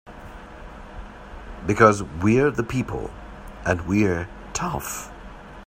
Because we're the people and we're tough!